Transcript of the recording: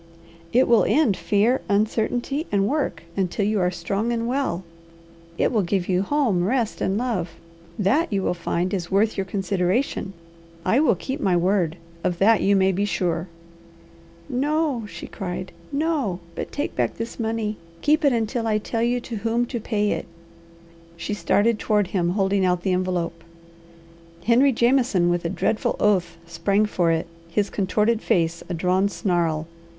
"It will end fear, uncertainty, and work, until you are strong and well. It will give you home, rest, and love, that you will find is worth your consideration. I will keep my word; of that you may be sure." "No," she cried. "No! But take back this money! Keep it until I tell you to whom to pay it." She started toward him holding out the envelope. Henry Jameson, with a dreadful oath, sprang for it, his contorted face a drawn snarl.